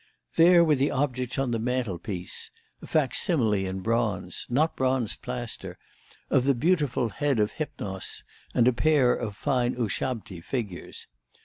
There were the objects on the mantelpiece: a facsimile in bronze not bronzed plaster of the beautiful head of Hypnos and a pair of fine Ushabti figures.